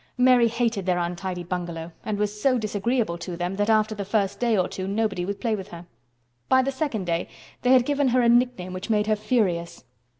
Mary hated their untidy bungalow and was so disagreeable to them that after the first day or two nobody would play with her. By the second day they had given her a nickname which made her furious.